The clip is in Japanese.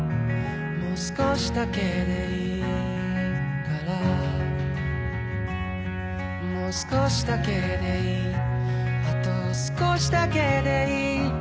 もう少しだけでいいからもう少しだけでいいあと少しだけでいい